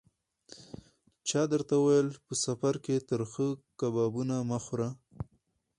چا درته ویل: په سفر کې ترخه کبابونه مه خوره.